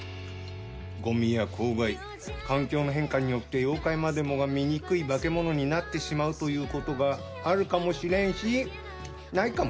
ゴミや公害環境の変化によって妖怪までもが醜い化け物になってしまうという事があるかもしれんしないかもしれん。